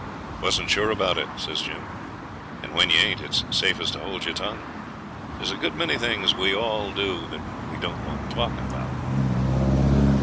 'Wasn't sure about it,' says Jim, 'and when you ain't it's safest to hold your tongue. There's a good many things we all do that don't want talking about.'